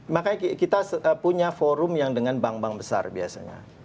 makanya kita punya forum yang dengan bank bank besar biasanya